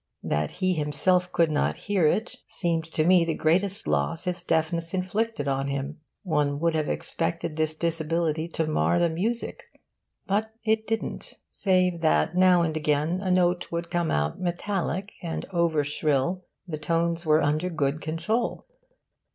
That he himself could not hear it, seemed to me the greatest loss his deafness inflicted on him. One would have expected this disability to mar the music; but it didn't; save that now and again a note would come out metallic and over shrill, the tones were under good control.